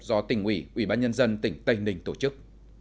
do tỉnh ủy ủy ban nhân dân tỉnh tây ninh tổ chức